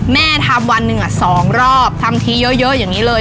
แม่ทำวันหนึ่ง๒รอบทำทีเยอะอย่างนี้เลย